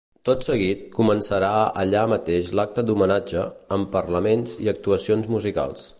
Tot seguit, començarà allà mateix l’acte d’homenatge, amb parlaments i actuacions musicals.